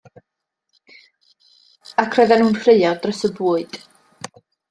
Ac roedden nhw'n ffraeo dros y bwyd.